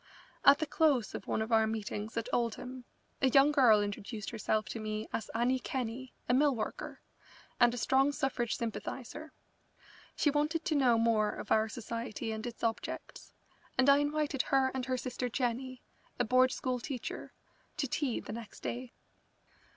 At the close of one of our meetings at Oldham a young girl introduced herself to me as Annie Kenney, a mill worker, and a strong suffrage sympathiser. She wanted to know more of our society and its objects, and I invited her and her sister Jenny, a Board School teacher, to tea the next day.